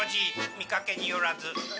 見かけによらず。